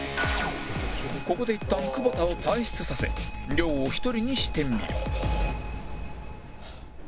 ここでいったん久保田を退室させ亮を１人にしてみる